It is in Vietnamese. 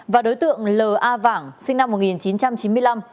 và đối tượng l a vàng sinh năm một nghìn chín trăm chín mươi năm